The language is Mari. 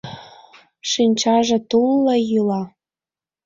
Шинчаже тулла йӱла.